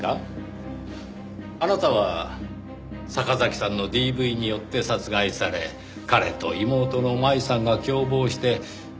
あなたは坂崎さんのＤＶによって殺害され彼と妹の麻衣さんが共謀して遺体を遺棄したように見せかける。